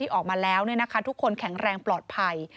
ที่ออกมาแล้วนี่นะคะทุกคนแข็งแรงปลอดภัย